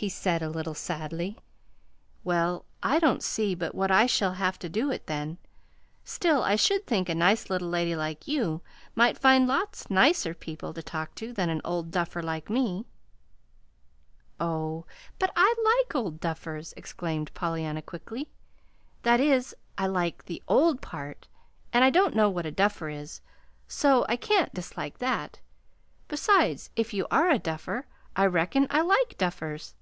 he said a little sadly. "Well, I don't see but what I shall have to do it, then. Still, I should think a nice little lady like you might find lots nicer people to talk to than an old duffer like me." "Oh, but I like old duffers," exclaimed Pollyanna quickly; "that is, I like the OLD part, and I don't know what a duffer is, so I can't dislike that. Besides, if you are a duffer, I reckon I like duffers.